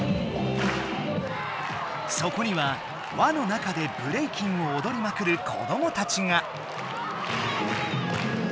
そこにはわの中でブレイキンをおどりまくる子どもたちが！